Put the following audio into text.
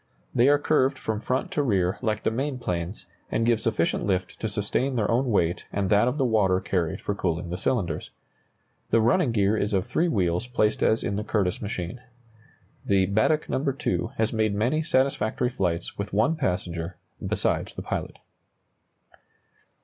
They are curved from front to rear like the main planes, and give sufficient lift to sustain their own weight and that of the water carried for cooling the cylinders. The running gear is of three wheels placed as in the Curtiss machine. The "Baddeck No. 2" has made many satisfactory flights with one passenger besides the pilot.